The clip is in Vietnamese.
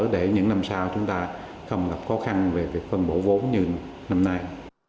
để những năm sau chúng ta không gặp khó khăn về việc phân bổ vốn như năm nay